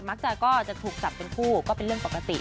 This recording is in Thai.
ก็จะถูกจับเป็นคู่ก็เป็นเรื่องปกติ